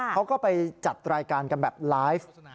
เขาก็ไปจัดรายการกันแบบไลฟ์